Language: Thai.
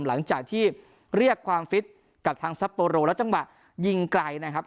หลังจากที่เรียกความฟิตกับทางซัปโปโรและจังหวะยิงไกลนะครับ